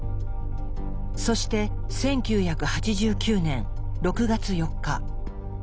そして１９８９年６月４日。